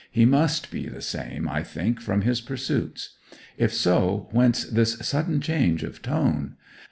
He must be the same, I think, from his pursuits. If so, whence this sudden change of tone?